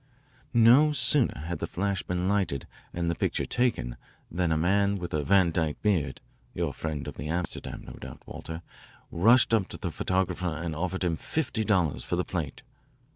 "No sooner had the flash been lighted and the picture taken than a man with a Van Dyke beard your friend of the Amsterdam, no doubt, Walter, rushed up to the photographer and offered him fifty dollars for the plate.